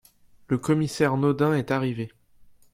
Le commissaire Naudin est arrivé.